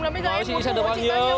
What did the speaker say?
là bây giờ em muốn giả cho chị bao nhiêu